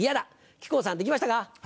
木久扇さんできましたか？